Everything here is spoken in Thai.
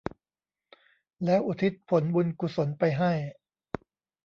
แล้วอุทิศผลบุญกุศลไปให้